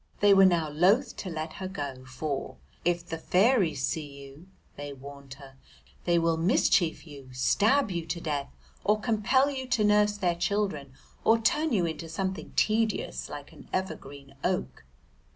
They were now loath to let her go, for, "If the fairies see you," they warned her, "they will mischief you, stab you to death or compel you to nurse their children or turn you into something tedious, like an evergreen oak."